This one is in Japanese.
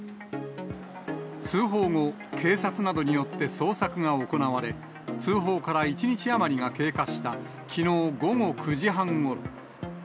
通報後、警察などによって捜索が行われ、通報から１日余りが経過した、きのう午後９時半ごろ。